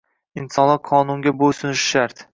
Insonlar qonunga bo’ysunishi shart